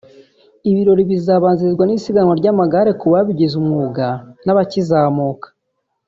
Ibirori bizabanzirizwa n’isiganwa ry’amagare ku babigize umwuga n’abakizamuka